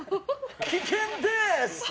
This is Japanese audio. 危険です！